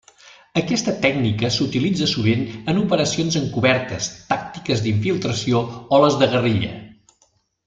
Aquesta tècnica s'utilitza sovint en operacions encobertes, tàctiques d'infiltració o les de guerrilla.